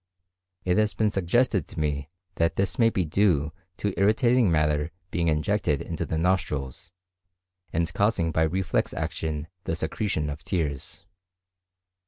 It has been suggested to me that this may be due to irritating matter being injected into the nostrils, and causing by reflex action the secretion of tears.